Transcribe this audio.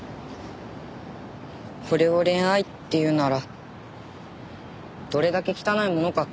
これを恋愛っていうならどれだけ汚いものかって思うよ。